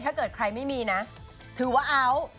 ถ้าเกิดใครไม่มีนะถือว่าเอา